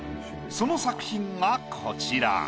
その作品がこちら。